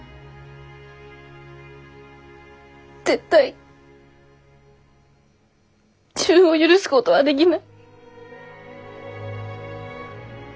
絶対自分を許すごどはできない。